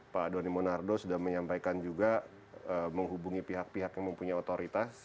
pak doni monardo sudah menyampaikan juga menghubungi pihak pihak yang mempunyai otoritas